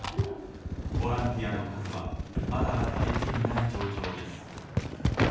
ボランティアの数はまだ足りていない状況です。